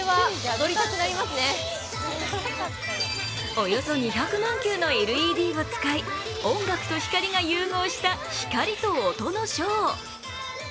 およそ２００万球のＬＥＤを使い音楽と光が融合した光と音のショー。